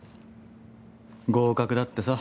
合格だってさ。